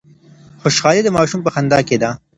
خوشحالي د ماشوم په خندا کي ده.